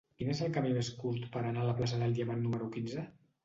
Quin és el camí més curt per anar a la plaça del Diamant número quinze?